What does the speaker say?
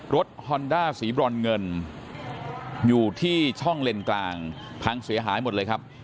ฮอนด้าสีบรอนเงินอยู่ที่ช่องเลนกลางพังเสียหายหมดเลยครับ